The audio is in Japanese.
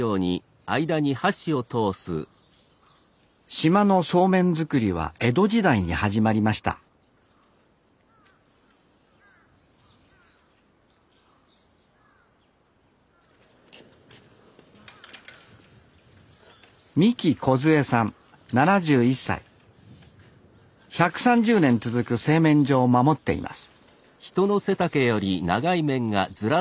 島のそうめん作りは江戸時代に始まりました１３０年続く製麺所を守っています